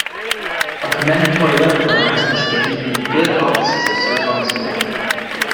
A commendatory letter from Erasmus gained him the good offices of Sir Thomas More.